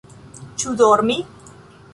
Ĉu dormi?